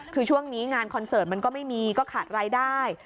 คือช่วงนี้งานคอนเสิร์ตมันก็ไม่มีก็ขาดรายได้